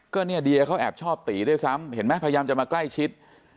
ก็เนี่ยเดียเขาแอบชอบตีด้วยซ้ำเห็นไหมพยายามจะมาใกล้ชิด